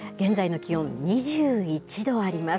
現在の気温２１度あります。